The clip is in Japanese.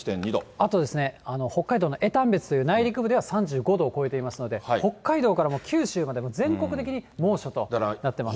あと北海道の江丹別という、内陸部では３５度を超えていますので、北海道からもう九州まで、全国的に猛暑となってます。